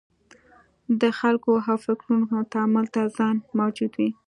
د خلکو او فکرونو تامل ته ځای موجود وي.